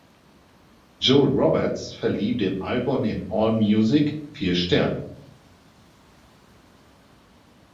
Joel Roberts verlieh dem Album in Allmusic vier Sterne.